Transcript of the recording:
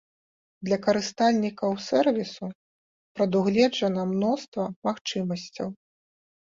Для карыстальнікаў сэрвісу прадугледжана мноства магчымасцяў.